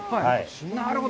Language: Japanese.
なるほど。